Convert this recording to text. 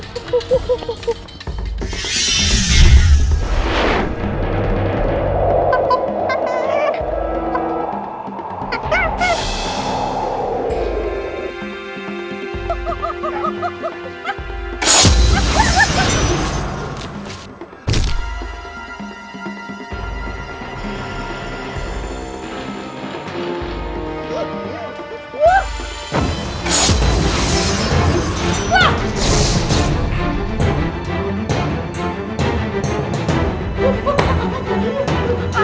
kalau mereka akan terselamat itukan kita